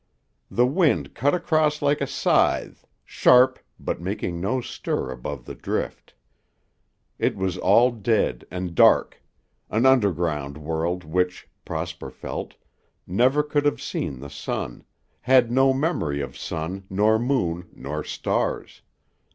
The wind cut across like a scythe, sharp, but making no stir above the drift. It was all dead and dark an underground world which, Prosper felt, never could have seen the sun, had no memory of sun nor moon nor stars.